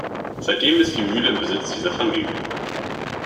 Seitdem ist die Mühle im Besitz dieser Familie.